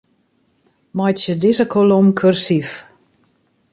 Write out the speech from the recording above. Meitsje dizze kolom kursyf.